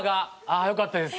あよかったです。